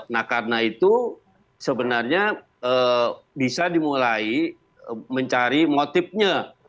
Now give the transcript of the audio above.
nah karena itu sebenarnya bisa dimulai mencari motifnya